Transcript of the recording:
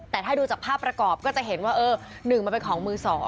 แต่ถ้าดูจากภาพประกอบก็จะเห็นว่าเออ๑มันเป็นของมือ๒